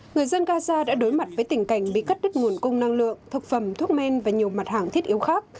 người dân gaza đã đối mặt với tình cảnh bị cắt đứt nguồn cung năng lượng thực phẩm thuốc men và nhiều mặt hàng thiết yếu khác